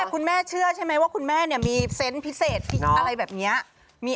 คุณแม่เชื่อใช่ไหมว่าคุณแม่มีเซนต์พิเศษอะไรแบบนี้